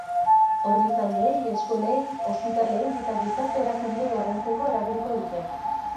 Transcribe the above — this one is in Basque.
Hornitzaileei, eskolei, ospitaleei eta gizarte erakundeei ordaintzeko erabiliko dute.